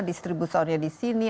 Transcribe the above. distribusinya di sini